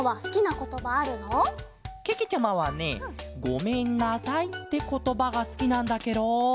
けけちゃまはね「ごめんなさい」ってことばがすきなんだケロ。